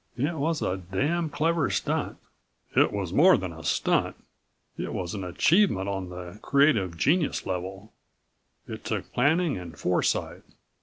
"It was a damn clever stunt." "It was more than a stunt. It was an achievement on the creative genius level. It took planning and foresight.